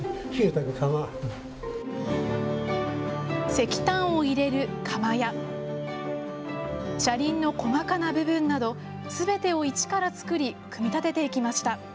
石炭を入れる釜や、車輪の細かな部分など、すべてを一から作り、組み立てていきまし